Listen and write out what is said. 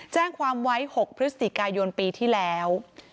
แจ้งความไว้๖พฤศจิกายนปีที่แล้ว